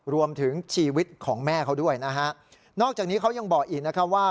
รวมถึงชีวิตของแม่เขาด้วยนะฮะนอกจากนี้เขายังบอกอีกนะคะว่า